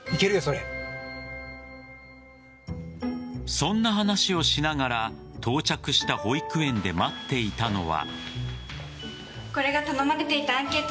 そんな話をしながら到着した保育園で待っていたのは。